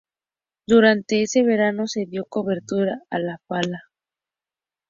Durante ese verano, se dio cobertura a la fala.